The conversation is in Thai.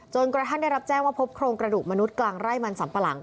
กระทั่งได้รับแจ้งว่าพบโครงกระดูกมนุษย์กลางไร่มันสัมปะหลัง